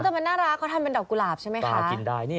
แต่มันน่ารักเขาทำเป็นดอกกุหลาบใช่ไหมคะหากินได้นี่